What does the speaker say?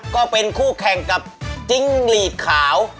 ก็เป็นคู่แข่งกับจิ้งหลีดขาว